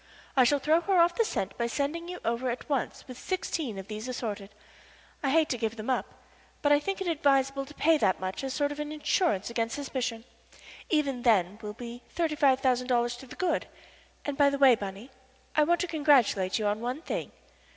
"I shall throw her off the scent by sending you over to her at once with sixteen of these assorted. I hate to give them up, but I think it advisable to pay that much as a sort of insurance against suspicion. Even then we'll be thirty five thousand dollars to the good. And, by the way, Bunny, I want to congratulate you on one thing."